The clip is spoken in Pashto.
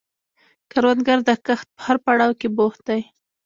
کروندګر د کښت په هر پړاو کې بوخت دی